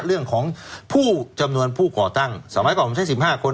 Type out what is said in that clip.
เรื่องของผู้จำนวนผู้ก่อตั้งสมัยก่อนผมใช้๑๕คน